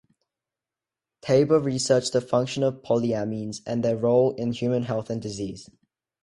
Tabor researched the function of polyamines and their role in human health and disease.